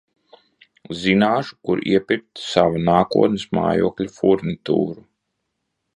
Zināšu, kur iepirkt sava nākotnes mājokļa furnitūru.